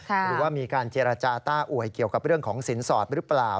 หรือว่ามีการเจรจาต้าอวยเกี่ยวกับเรื่องของสินสอดหรือเปล่า